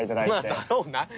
まあだろうな。